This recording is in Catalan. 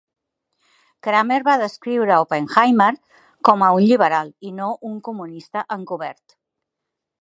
Kramer va descriure Oppenheimer com a un "lliberal" i no un "comunista encobert".